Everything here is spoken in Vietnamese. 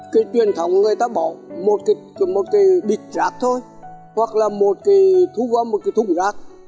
cái truyền thống người ta bỏ một cái bịch rác thôi hoặc là một cái thu gom một cái thùng rác